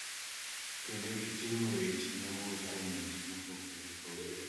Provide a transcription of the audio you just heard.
kendo giting'o weche mawuoyo kuom weche mopogore opogore.